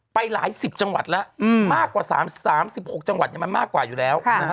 ไปหลายสิบจังหวัดแล้วมากกว่า๓๖จังหวัดมันมากกว่าอยู่แล้ว